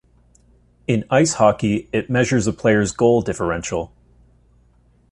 In ice hockey, it measures a player's goal differential.